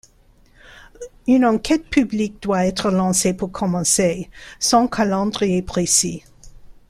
Une enquête publique doit être lancée pour commencer, sans calendrier précis.